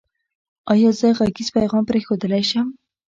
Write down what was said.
ایا زه غږیز پیغام پریښودلی شم؟